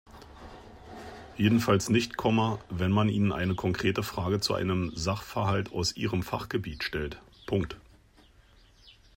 Jedenfalls nicht, wenn man ihnen eine konkrete Frage zu einem Sachverhalt aus ihrem Fachgebiet stellt.